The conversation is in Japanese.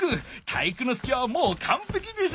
体育ノ介はもうかんぺきです！